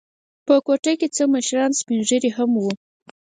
په کوټه کې څه مشران سپین ږیري هم و.